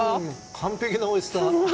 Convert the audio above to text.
完璧なおいしさ。